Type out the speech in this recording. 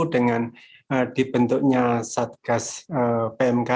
dengan dibentuknya satgas pmk